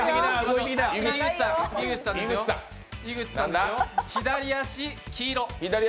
井口さん、左足黄色。